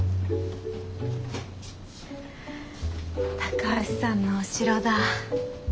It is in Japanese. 高橋さんのお城だ。